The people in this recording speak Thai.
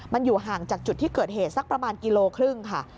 มันอยู่ห่างจากจุดที่เกิดเหตุสักประมาณกิโลครึ่งค่ะ